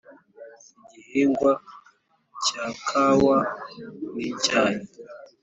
igihingwa cya kawa n'icyayi